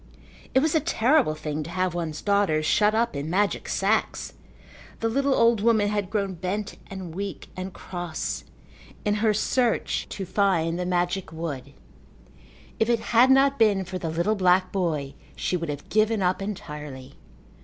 It was a terrible thing to have one's daughters shut up in magic sacks. The little old woman had grown bent and weak and cross in her search to find the magic wood. If it had not been for the little black boy she would have given up entirely.